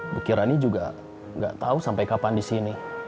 bu kirani juga gak tau sampai kapan disini